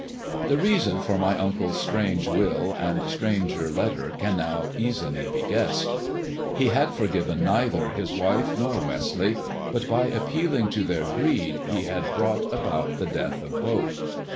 The reason for my uncle's strange will, and stranger )tter, can now easily be guessed. He had forgiven neither is wife nor Westleigh, but by appealing to tYicvT ^^^ \ift 214 THE DEAD MAN*S DIAMONDS Lad brought about the death of both.